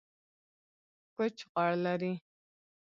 کوچ غوړ لري